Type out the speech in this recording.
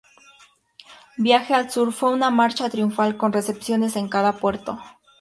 El viaje al sur fue una marcha triunfal, con recepciones en cada puerto.